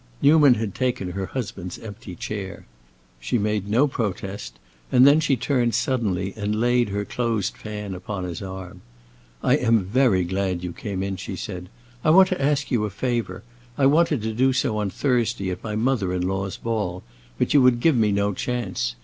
Newman had taken her husband's empty chair. She made no protest, and then she turned suddenly and laid her closed fan upon his arm. "I am very glad you came in," she said. "I want to ask you a favor. I wanted to do so on Thursday, at my mother in law's ball, but you would give me no chance.